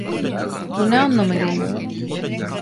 Bu ne anlama geliyor?